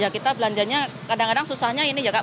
ya kita belanjanya kadang kadang susahnya ini ya kak